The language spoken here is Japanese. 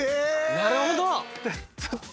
なるほど！